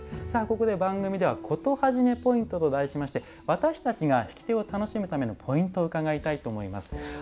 さあここで番組では「コトはじめポイント」と題しまして私たちが引き手を楽しむためのポイントを伺いたいと思います。